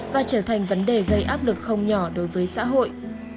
và trở thành vấn đề gây áp lực không nhỏ đối với xã hội